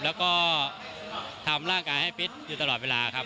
แล้วก็ทำร่างกายให้ฟิตอยู่ตลอดเวลาครับ